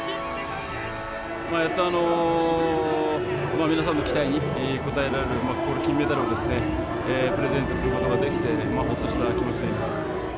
やっと皆さんの期待に応えられるこの金メダルをですね、プレゼントすることができて、ほっとした気持ちでいます。